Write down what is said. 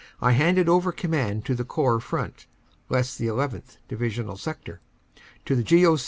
11, I handed over command of the Corps front (less the llth. Divisional sector) to the G. O.